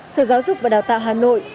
sở giáo dục và đào tạo hà nội